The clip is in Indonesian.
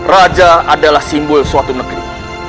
raja adalah simbol suatu negeri